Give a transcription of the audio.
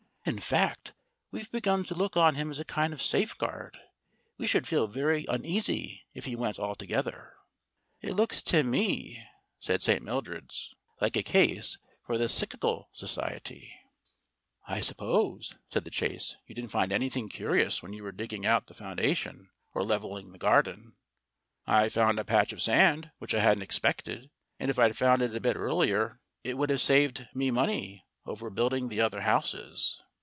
In fact, we've begun to look on him as a kind of safeguard. We should feel very uneasy if he went altogether." "It looks to me," said St. Mildred's, "like a case for the Psychical Society." STORIES WITHOUT TEARS "I suppose," said the Chase, "you didn't find any thing curious when you were digging out the founda tions or levelling the garden ?" "I found a patch of sand, which I hadn't expected; and if I'd found it a bit earlier it would have saved me money over building the other houses."